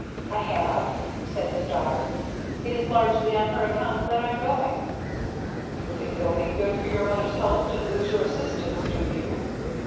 "I have," said his daughter. "It is largely on her account that I'm going." "You think it'll be good for your Mother's health to lose your assistance, do you?"